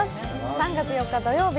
３月４日土曜日